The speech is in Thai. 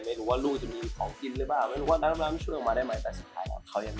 ไม่รู้ว่าลูกจะมีของกินเลยแบบนั้น